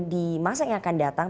di masa yang akan datang